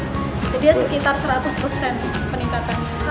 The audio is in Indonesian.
jadi sekitar seratus persen peningkatannya